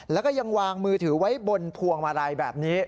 แล้วก็ยังวางมือถือไว้บนพวงมาลัยแบบนี้